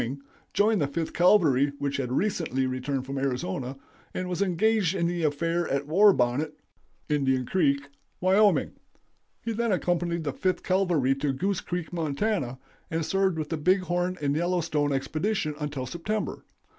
joined the Fifth Cavalry, which had recently returned from Arizona, and was engaged in the affair at War Bonnet (Indian Creek), Wyo. He then accompanied the Fifth Cavalry to Goose Creek, Mont., and served with the Big Horn and Yellowstone expedition until September.